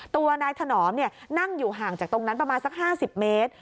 ตัวนายถนอมนั่งอยู่ห่างจากตรงนั้นประมาณสัก๕๐เมตร